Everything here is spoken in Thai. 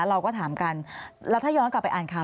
เราก็ถามกันแล้วถ้าย้อนกลับไปอ่านข่าว